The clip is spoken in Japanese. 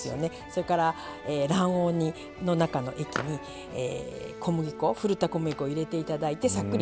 それから卵黄の中の液に小麦粉ふるった小麦粉入れていただいてさっくり混ぜる。